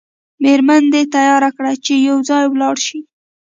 میرمن دې تیاره کړه چې یو ځای ولاړ شئ.